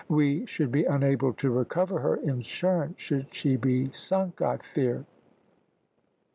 "We should be unable to recover her insurance should she be sunk, I fear."